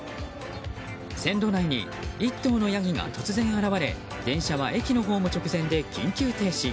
線路内に１頭のヤギが突然現れ電車は駅のホーム直前で緊急停止。